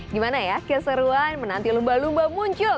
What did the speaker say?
gimana ya keseruan menanti lumba lumba muncul